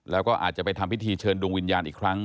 แล้วก็อาจจะไปทำพิธีเชิญดวงวิญญาณอีกครั้ง